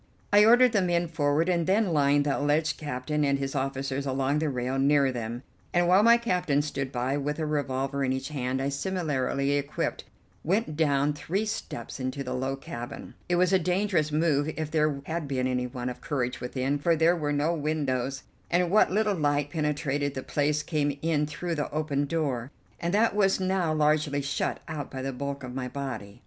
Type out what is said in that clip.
I ordered the men forward and then lined the alleged captain and his officers along the rail near them, and, while my captain stood by with a revolver in each hand, I, similarly equipped, went down three steps into the low cabin. It was a dangerous move if there had been anyone of courage within, for there were no windows, and what little light penetrated the place came in through the open door, and that was now largely shut out by the bulk of my body.